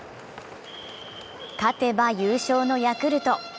勝てば優勝のヤクルト。